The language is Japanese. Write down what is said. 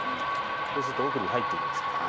そうすると奥に入っていきますから。